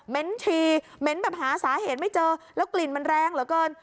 ชีเหม็นแบบหาสาเหตุไม่เจอแล้วกลิ่นมันแรงเหลือเกิน